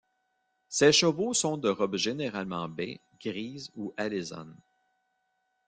Ces chevaux sont de robe généralement baie, grise ou alezane.